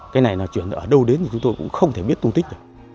cái này nó chuyển ở đâu đến thì chúng tôi cũng không thể biết tôn tích